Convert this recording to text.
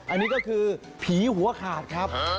อันนี้ก็คือผีหัวขาดครับ